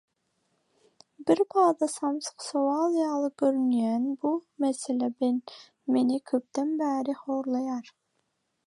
Birbada samsyk sowal ýaly göörünýän bu mesele meni köpden bäri horlaýar.